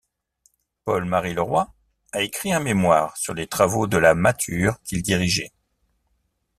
Paul-Marie Leroy a écrit un mémoire sur les travaux de la Mâture qu’il dirigeait.